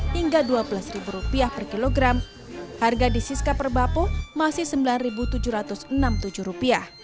hingga rp dua belas per kilogram harga di siska perbapo masih rp sembilan tujuh ratus enam puluh tujuh